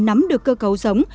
nắm được cơ cấu giống